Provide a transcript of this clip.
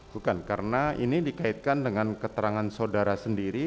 bukan karena ini dikaitkan dengan keterangan saudara sendiri